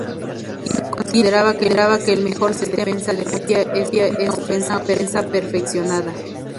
Tino consideraba que el mejor sistema de defensa propia es una ofensa perfeccionada.